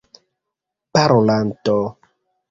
parolanto